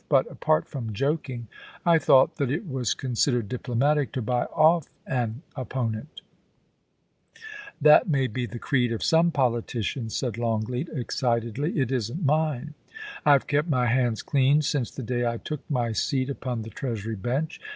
But, apart from joking, I thought that it was considered diplomatic to buy off an opponent' ' That may be the creed of some politicians,' said Long leat, excitedly ;* it isn't mine. I've kep' my hands clean since the day I took my seat upon the Treasury bench.